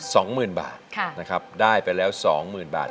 สองหมื่นบาทได้ไปแล้วสองหมื่นบาท